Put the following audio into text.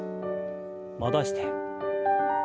戻して。